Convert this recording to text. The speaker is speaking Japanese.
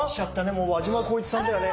もう輪島功一さんだよね。